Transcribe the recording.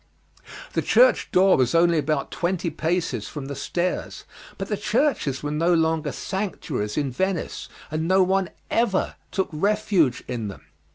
The church door was only about twenty paces from the stairs, but the churches were no longer sanctuaries in Venice; and no one ever took refuge in them.